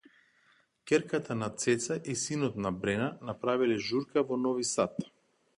Ќерката на Цеца и синот на Брена направиле журка во Нови Сад